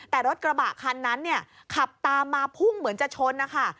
แต่รถกระบะคันนั้นเนี่ยขับตามมาพุ่งเหมือนจะชนนะคะ